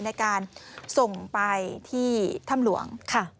ในการส่งไปที่ถ้ำหลวง